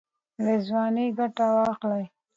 له ځوانۍ ګټه واخلئ